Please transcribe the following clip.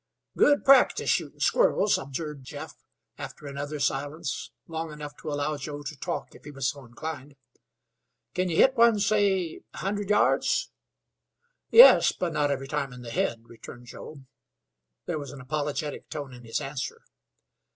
"Good practice, shootin' squirrels," observed Jeff, after another silence, long enough to allow Joe to talk if he was so inclined. "Kin ye hit one say, a hundred yards?" "Yes, but not every time in the head," returned Joe. There was an apologetic tone in his answer.